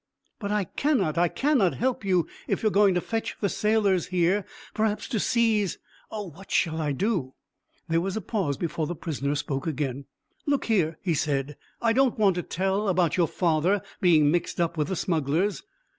"But I cannot I cannot help you if you are going to fetch the sailors here, perhaps to seize Oh, what shall I do?" There was a pause before the prisoner spoke again. "Look here," he said; "I don't want to tell about your father being mixed up with the smugglers."